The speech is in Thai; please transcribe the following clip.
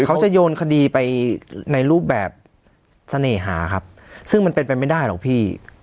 เขาจะโยนคดีไปในรูปแบบเสน่หาครับซึ่งมันเป็นไปไม่ได้หรอกพี่